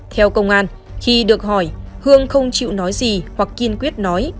theo công an khi được hỏi hương không chịu nói gì hoặc kiên quyết nói